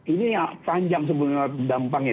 ini yang panjang sebenarnya dampaknya